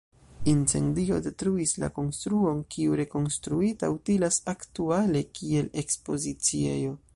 Incendio detruis la konstruon, kiu, rekonstruita, utilas aktuale kiel ekspoziciejo.